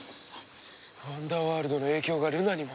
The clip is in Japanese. ワンダーワールドの影響がルナにも。